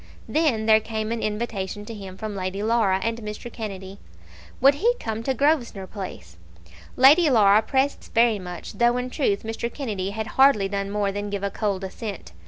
Then there came an invitation to him from Lady Laura and Mr. Kennedy. Would he come to Grosvenor Place? Lady Laura pressed this very much, though in truth Mr. Kennedy had hardly done more than give a cold assent.